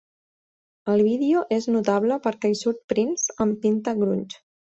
El vídeo és notable perquè hi surt Prince amb "pinta grunge".